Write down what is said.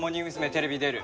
テレビ出る。